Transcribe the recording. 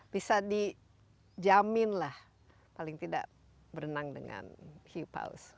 bisa dijamin lah paling tidak berenang dengan hiu paus